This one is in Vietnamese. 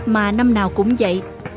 mà năm nào cũng vậy